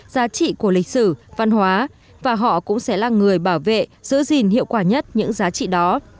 giá trị của lịch sử văn hóa và họ cũng sẽ là người bảo vệ giữ gìn hiệu quả nhất những giá trị đó